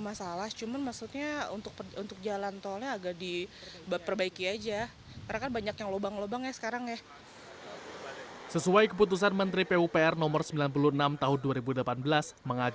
mengajuk perusahaan yang diperlukan untuk menjaga kemampuan